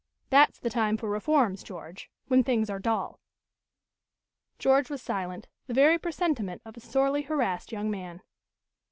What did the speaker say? That's the time for reforms, George, when things are dull." George was silent, the very presentment of a sorely harassed young man.